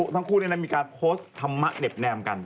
ทั้งคู่มีการโพสต์ธรรมะเหน็บแนมกัน